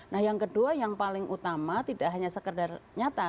nah yang kedua yang paling utama tidak hanya sekedar nyata